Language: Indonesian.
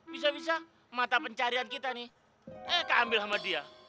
bisa bisa mata pencarian kita nih eh keambil sama dia